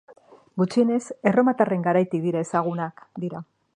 Gutxienez, erromatarren garaitik dira ezagunak dira.